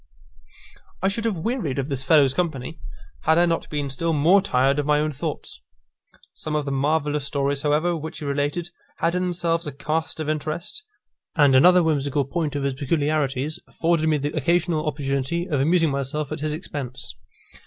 I should have wearied of this fellow's company, had I not been still more tired of my own thoughts. Some of the marvellous stories, however, which he related, had in themselves a cast of interest, and another whimsical point of his peculiarities afforded me the occasional opportunity of amusing myself at his expense.